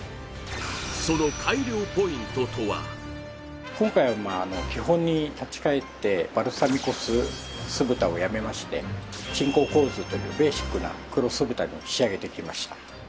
その改良ポイントとはバルサミコ酢酢豚をやめまして鎮江香酢というベーシックな黒酢豚に仕上げてきました